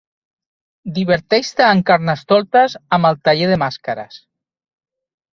Diverteix-te en Carnestoltes amb el taller de màscares.